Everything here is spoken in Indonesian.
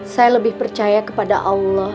saya lebih percaya kepada allah